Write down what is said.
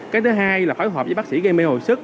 cái thứ hai là phối hợp với bác sĩ gây mê hồi sức